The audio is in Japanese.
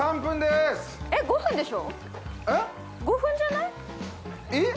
５分じゃない？